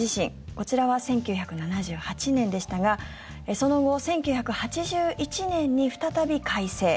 こちらは１９７８年でしたがその後、１９８１年に再び改正。